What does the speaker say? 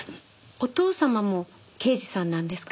お父様も刑事さんなんですか？